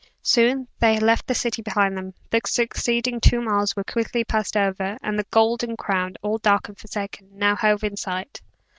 Soon, they left the city behind them; the succeeding two miles were quickly passed over, and the "Golden Crown," all dark and forsaken, now hove in sight.